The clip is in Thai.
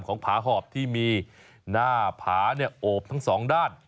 ผาหอบที่มีหน้าผาโอบทั้งสองด้าน